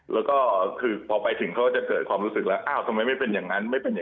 แล้วก็คือพอไปถึงเขาจะเกิดความรู้สึกอ้าวทำไมไม่เป็นอย่างดีคิดเหอะ